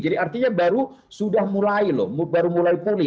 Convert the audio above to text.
jadi artinya baru sudah mulai loh baru mulai pulih